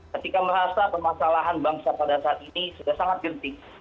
ketika merasa permasalahan bangsa pada saat ini sudah sangat genting